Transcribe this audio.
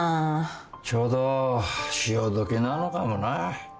ちょうど潮時なのかもな。